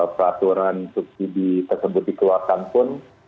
peraturan subsidi tersebut dikeluarkan pun